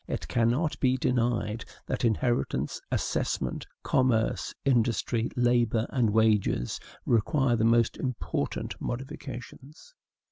It cannot be denied that inheritance, assessment, commerce, industry, labor, and wages require the most important modifications."